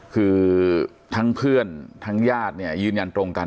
คือทั้งเพื่อนทั้งญาติเนี่ยยืนยันตรงกัน